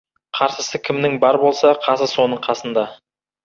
Қарсысы кімнің бар болса, қасы соның қасында.